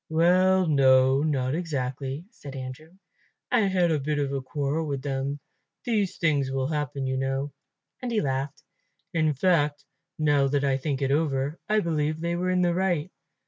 "Well, no, not exactly," said Andrew. "I had a bit of a quarrel with them. These things will happen, you know"; and he laughed. "In fact, now that I think over it, I believe they were in the right.